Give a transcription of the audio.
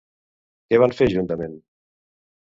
Què van fer juntament?